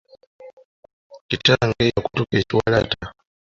Kitange yakutuka ekiwalaata.